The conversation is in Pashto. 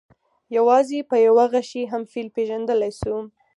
یوازې په یوه غشي هم فیل پېژندلی شو.